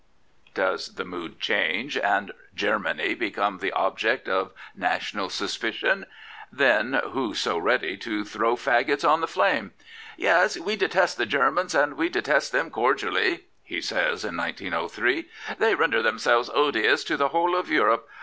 Does the mood change and Germany become the object of national suspicion, then who so ready to throw faggots on the flame: Yes, we detest the Germans and we detest them cordially (he says in 1903). They render themselves odious to the whole of Europe.